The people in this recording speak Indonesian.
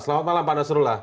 selamat malam pak nasrullah